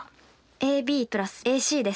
ＡＢ＋ＡＣです。